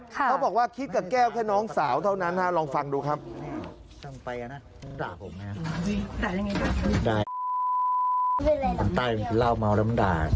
เขาบอกว่าคิดกับแก้วแค่น้องสาวเท่านั้นลองฟังดูครับ